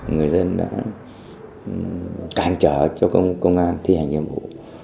người dân đã cản trở cho công an thi hành nhiệm vụ